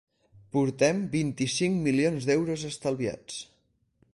“Portem vint-i-cinc milions d’euros estalviats”.